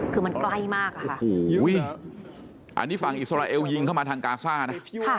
คือมันใกล้มากอะค่ะอันนี้ฝั่งอิสราเอลยิงเข้ามาทางกาซ่านะ